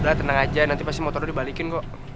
udah tenang aja nanti pasti motor lo dibalikin kok